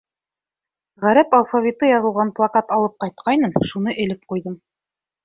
Ғәрәп алфавиты яҙылған плакат алып ҡайтҡайным, шуны элеп ҡуйҙым.